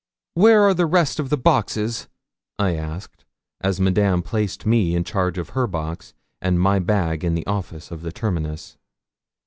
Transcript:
'Where are the rest of the boxes?' I asked, as Madame placed me in charge of her box and my bag in the office of the terminus.